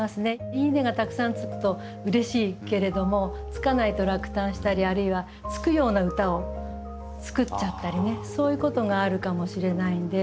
「いいね」がたくさんつくとうれしいけれどもつかないと落胆したりあるいはつくような歌を作っちゃったりねそういうことがあるかもしれないんで。